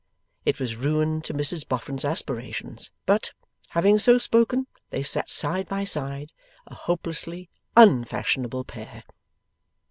It was ruin to Mrs Boffin's aspirations, but, having so spoken, they sat side by side, a hopelessly Unfashionable pair.